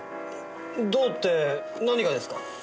どうって何がですか？